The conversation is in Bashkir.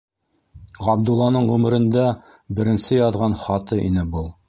Ғабдулланың ғүмерендә беренсе яҙған хаты ине был.